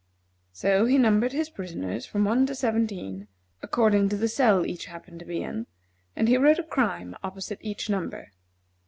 So he numbered his prisoners from one to seventeen, according to the cell each happened to be in, and he wrote a crime opposite each number.